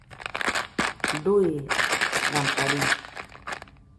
Dui ramparín